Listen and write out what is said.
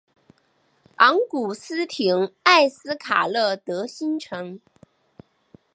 昂古斯廷埃斯卡勒德新城。